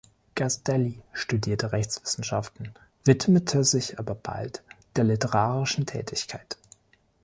Castelli studierte Rechtswissenschaften, widmete sich aber bald der literarischen Tätigkeit.